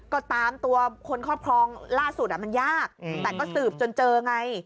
ก็ตามตัวคนครอบครองล่าสุดมันยากแต่ก็สืบจนเจอไง